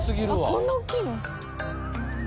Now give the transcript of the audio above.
こんなおっきいの？